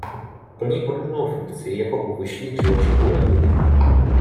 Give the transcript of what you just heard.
Plní podobnou funkci jako u vyšších živočichů ledviny.